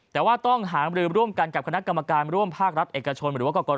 แต่หาลืมร่วมกัน